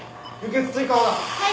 はい！